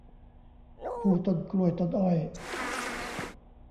คู่ต้นกล้วยต้นอ้อย